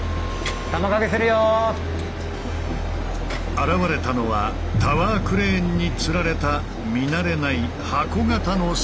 現れたのはタワークレーンにつられた見慣れない箱形の装置。